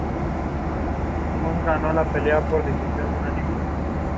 Y presenta otras particularidades.